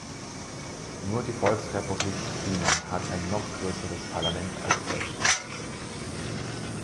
Nur die Volksrepublik China hat ein noch größeres Parlament als Deutschland.